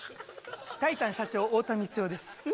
タイタン社長太田光代です